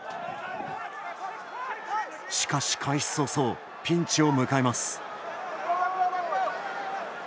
しかし、開始早々ピンチを迎えます。